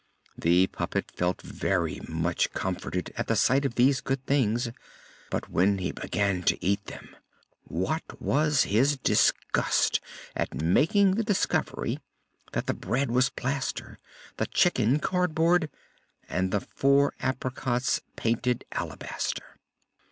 The puppet felt very much comforted at the sight of these good things. But when he began to eat them, what was his disgust at making the discovery that the bread was plaster, the chicken cardboard, and the four apricots painted alabaster.